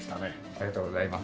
ありがとうございます。